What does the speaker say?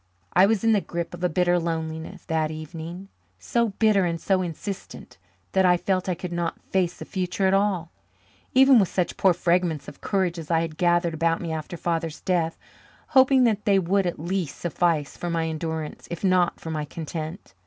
I was in the grip of a bitter loneliness that evening so bitter and so insistent that I felt I could not face the future at all, even with such poor fragments of courage as I had gathered about me after Father's death, hoping that they would, at least, suffice for my endurance, if not for my content.